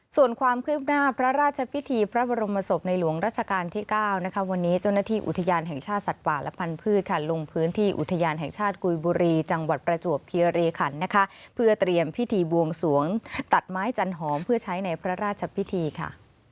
ส่วนความคืบหน้าพระราชพิธีพระบรมศพในหลวงรัชกาลที่๙นะคะวันนี้เจ้าหน้าที่อุทยานแห่งชาติสัตว์ป่าและพันธุ์ค่ะลงพื้นที่อุทยานแห่งชาติกุยบุรีจังหวัดประจวบคีรีขันนะคะเพื่อเตรียมพิธีบวงสวงตัดไม้จันหอมเพื่อใช้ในพระราชพิธีค่ะ